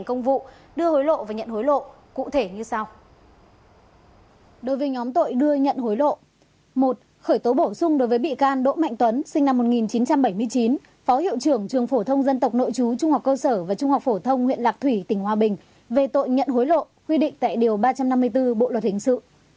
khởi tố bổ sung đối với bị can đỗ mạnh tuấn sinh năm một nghìn chín trăm bảy mươi chín phó hiệu trưởng trường phổ thông dân tộc nội chú trung học cơ sở và trung học phổ thông huyện lạc thủy tỉnh hòa bình về tội nhận hối lộ quy định tại điều ba trăm năm mươi bốn bộ luật hình sự